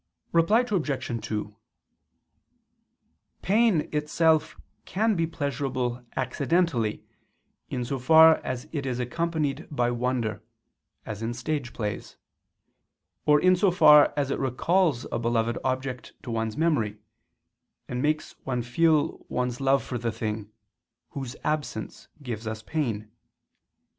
Reply Obj. 2: Pain itself can be pleasurable accidentally in so far as it is accompanied by wonder, as in stage plays; or in so far as it recalls a beloved object to one's memory, and makes one feel one's love for the thing, whose absence gives us pain.